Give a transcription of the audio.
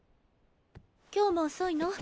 今日も遅いの？